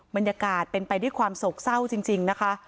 บรรยากาศเป็นไปด้วยความโศกเศร้าจริงนะคะ